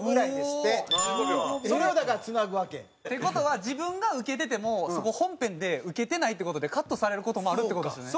それをだからつなぐわけ。って事は自分がウケててもそこ本編でウケてないって事でカットされる事もあるって事ですよね。